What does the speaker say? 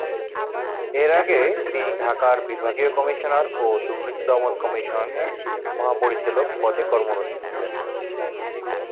এর আগে তিনি ঢাকার বিভাগীয় কমিশনার ও দুর্নীতি দমন কমিশনের মহাপরিচালক পদে কর্মরত ছিলেন।